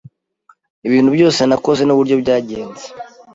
ibintu byose nakoze nuburyo byagenze